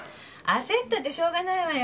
焦ったってしょうがないわよ。